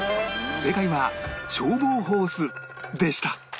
正解は消防ホースでした